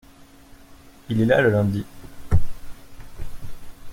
Il est là le lundi.